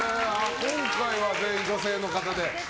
今回は全員女性の方で。